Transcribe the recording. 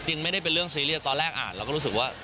จริงไม่ได้เป็นเรื่องซีเรียสตอนแรกอ่านเราก็รู้สึกว่า